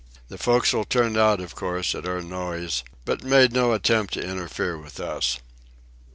The forecastle turned out, of course, at our noise, but made no attempt to interfere with us.